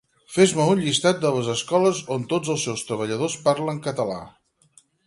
Fes-me un llistat de les escoles on tots els seus treballadors parlen català